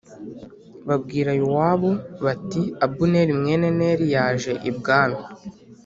babwira Yowabu bati “Abuneri mwene Neri yaje i bwami’